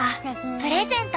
プレゼント。